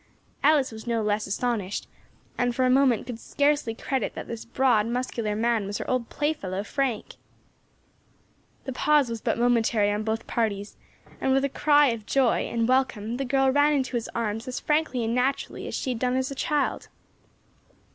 Alice was no less astonished, and for a moment could scarcely credit that this broad muscular man was her old playfellow, Frank. The pause was but momentary on both parties, and with a cry of joy and welcome the girl ran into his arms as frankly and naturally as she had done as a child.